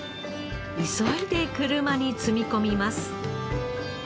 急いで車に積み込みます。